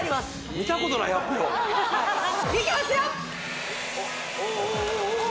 見たことない発表いきますよ